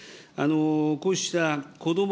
こうしたこども・